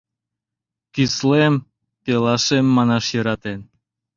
Кӱслем — пелашем манаш йӧратен.